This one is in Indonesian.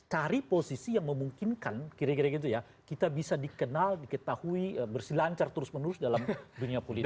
cari posisi yang memungkinkan kira kira gitu ya kita bisa dikenal diketahui bersilancar terus menerus dalam dunia politik